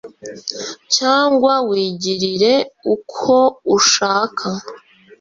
Cyangwa wigirire ukwo ushaka!"